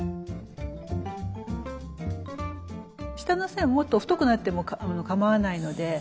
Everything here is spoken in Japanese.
下の線もっと太くなってもかまわないので。